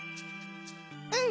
うん！